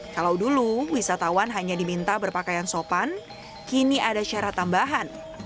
kalau dulu wisatawan hanya diminta berpakaian sopan kini ada syarat tambahan